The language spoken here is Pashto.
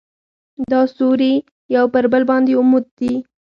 دا سوري یو پر بل باندې عمود دي.